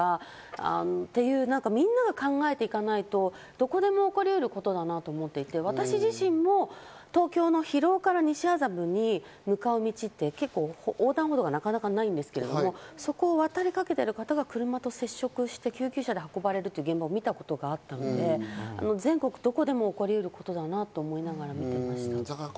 看板を出したり、行政に任せるんじゃなくて、地元住民で声かけし合うとかっていう、みんなが考えていかないと、どこでも起こりうることだなと思っていて、私自身も東京の広尾から西麻布に向かう道って結構、横断歩道がなかなかないんですけど、そこを渡りかけている方が車と接触して救急車で運ばれる現場を見たことがあったので、全国どこでも起こりうることだなと思いながら見ていました。